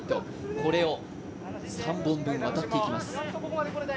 これを３本分渡っていきます。